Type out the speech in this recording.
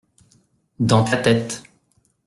Dans ta tête.